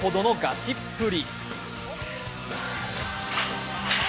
チっぷり。